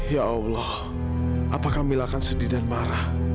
ya allah apakah mila akan sedih dan marah